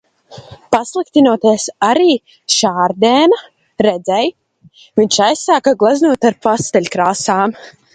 Pasliktinoties arī Šardēna redzei, viņš aizsāka gleznot ar pasteļkrāsām.